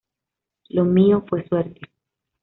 Lo mío fue suerte"".